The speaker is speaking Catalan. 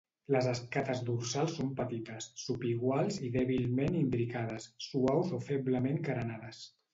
Les escates dorsals són petites, subiguals i dèbilment imbricades, suaus o feblement carenades.